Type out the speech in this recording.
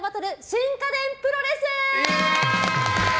新家電プロレス！